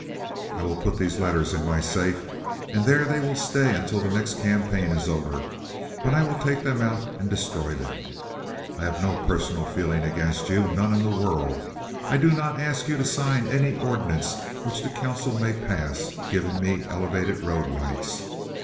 I will put these letters in my safe, and there they will stay until the next campaign is over, when I will take them out and destroy them. I have no personal feeling against you—none in the world. I do not ask you to sign any ordinance which the council may pass giving me elevated road rights.